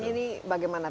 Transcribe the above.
jadi ini bagaimana